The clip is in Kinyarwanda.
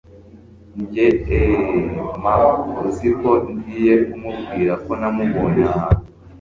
njye eee! ma, uziko.. ngiye kumubwira ko namubonye ahantu